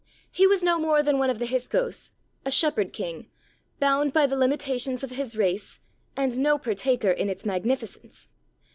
He was no more than one of the Hyksos, a shepherd king, bound by the limitations of his race, and no partaker in its magnificence.